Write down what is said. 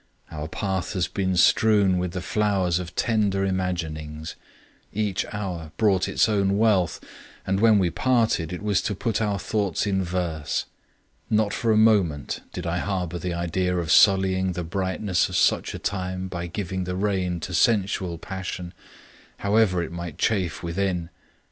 Our path has been strewn with the flowers of tender imaginings. Each hour brought its own wealth, and when we parted, it was to put our thoughts in verse. Not for a moment did I harbor the idea of sullying the brightness of such a time by giving the rein to sensual passion, however it might chafe within.